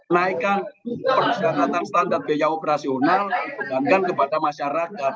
naikkan perusahaan perusahaan standar biaya operasional dan kembangkan kepada masyarakat